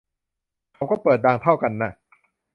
เขาก็เปิดดังเท่ากันน่ะ